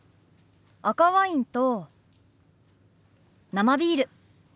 赤ワインと生ビール。